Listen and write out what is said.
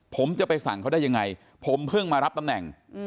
ผมจะไปสั่งเขาได้ยังไงผมเพิ่งมารับตำแหน่ง